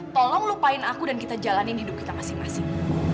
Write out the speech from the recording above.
tolong lupain aku dan kita jalanin hidup kita masing masing